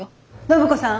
暢子さん。